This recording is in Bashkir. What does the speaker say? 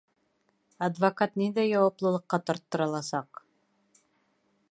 Адвокат ниндәй яуаплылыҡҡа тарттырыласаҡ?